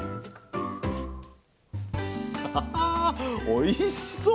おいしそう！